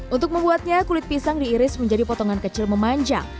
untuk membuatnya kulit pisang diiris menjadi potongan kecil memanjang